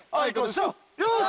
よし！